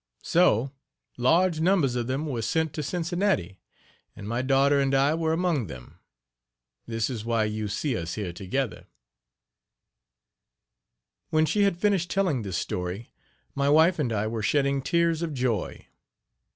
So, large numbers of them were sent to Cincinnati, and my daughter and I were among them. This is why you see us here together." When she had finished telling this story my wife and I were shedding tears of joy.